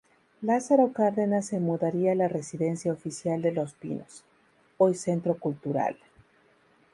Lázaro Cárdenas se mudaría a la Residencia Oficial de los Pinos, hoy centro cultural.